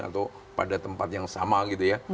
atau pada tempat yang sama gitu ya